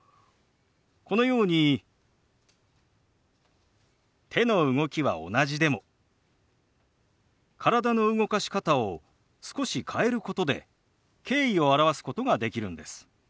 このように手の動きは同じでも体の動かし方を少し変えることで敬意を表すことができるんです。